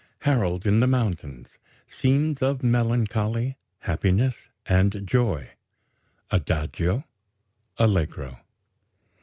HAROLD IN THE MOUNTAINS; SCENES OF MELANCHOLY, HAPPINESS, AND JOY (Adagio) (Allegro) 2.